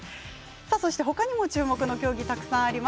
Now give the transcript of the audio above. そして、ほかにも注目の競技たくさんあります。